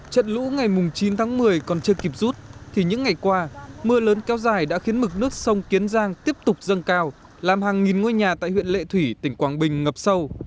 trận lũ ngày chín tháng một mươi còn chưa kịp rút thì những ngày qua mưa lớn kéo dài đã khiến mực nước sông kiến giang tiếp tục dâng cao làm hàng nghìn ngôi nhà tại huyện lệ thủy tỉnh quảng bình ngập sâu